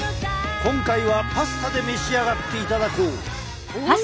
今回はパスタで召し上がっていただこう！